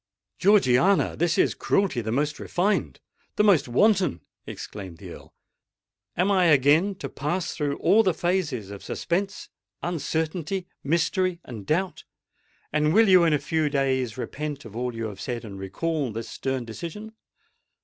"Georgiana, this is cruelty the most refined—the most wanton!" exclaimed the Earl. "Am I again to pass through all the phases of suspense—uncertainty—mystery—and doubt?—and will you in a few days repent of all you have said, and recall this stern decision?